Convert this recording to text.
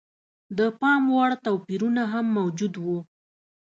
د پاموړ توپیرونه هم موجود و.